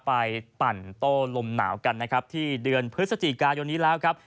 ปั่นโต้ลมหนาวกันนะครับที่เดือนพฤศจิกายนนี้แล้วครับ